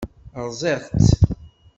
Rẓiɣ-tt.